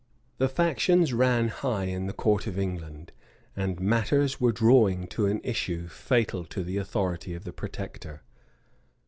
The factions ran high in the court of England; and matters were drawing to an issue fatal to the authority of the protector.